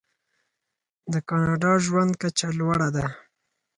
د کاناډا ژوند کچه لوړه ده.